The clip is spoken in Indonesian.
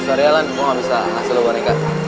jadi ya udah dia kasih bolan aja